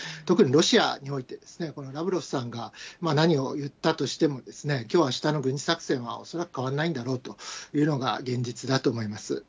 特にロシアにおいて、このラブロフさんが何を言ったとしても、きょう、あしたの軍事作戦は恐らく変わらないんだろうというのが、現実だと思います。